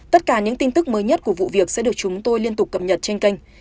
tất cả những tin tức mới nhất của vụ việc sẽ được chúng tôi liên tục cập nhật trên kênh